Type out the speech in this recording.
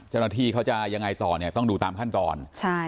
เจ้าหน้าที่เขาจะยังไงต่อเนี่ยต้องดูตามขั้นตอน